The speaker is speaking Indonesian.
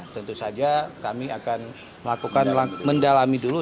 tentu saja kami akan melakukan mendalami dulu